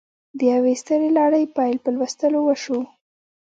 د یوې سترې لړۍ پیل په لوستلو وشو